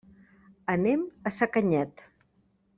Anem a Sacanyet.